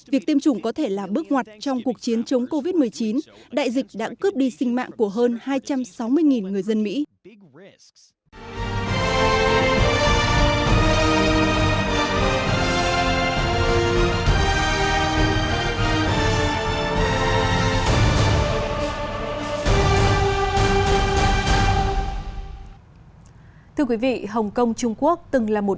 việc tiêm chủng có thể là bước ngoặt trong cuộc chiến chống covid một mươi chín đại dịch đã cướp đi sinh mạng của hơn hai trăm sáu mươi người dân mỹ